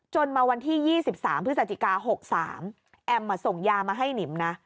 มาวันที่๒๓พฤศจิกา๖๓แอมส่งยามาให้หนิมนะ